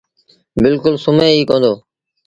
بلڪُل سمهي ئيٚ ڪوندو۔